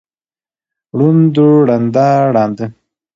ړوند، ړنده، ړانده